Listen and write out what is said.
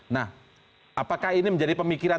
nah apakah ini menjadi pemikiran